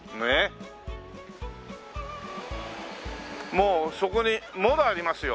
もうそこにもろありますよ。